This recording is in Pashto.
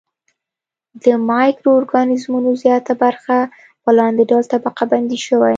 د مایکرو ارګانیزمونو زیاته برخه په لاندې ډول طبقه بندي شوې.